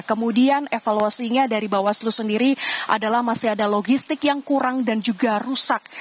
kemudian evaluasinya dari bawaslu sendiri adalah masih ada logistik yang kurang dan juga rusak